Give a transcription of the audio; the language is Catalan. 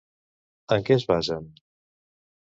En què es basen?